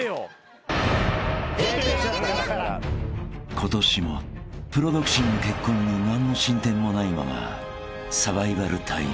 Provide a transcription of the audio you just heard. ［今年もプロ独身の結婚に何の進展もないままサバイバルタイム］